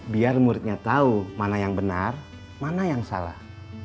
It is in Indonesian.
biar muridnya tahu mana yang benar mana yang salah